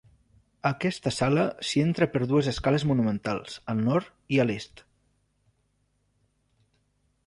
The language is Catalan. A aquesta sala s'hi entra per dues escales monumentals, al nord i a l'est.